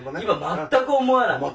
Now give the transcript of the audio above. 全く思わない。